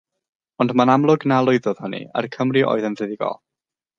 Ond mae'n amlwg na lwyddodd hynny, a'r Cymry oedd yn fuddugol.